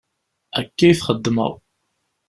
Akka i t-xeddmeɣ.